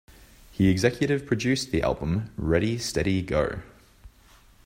He executive produced the album Ready Steady Go!